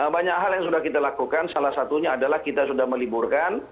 banyak hal yang sudah kita lakukan salah satunya adalah kita sudah meliburkan